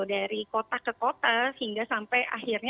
dari kota ke kota hingga sampai akhirnya